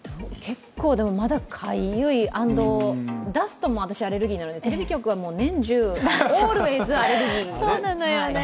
まだかゆい、アンド、ダストも私アレルギーなのでテレビ局は年中、オールウェイズアレルギー。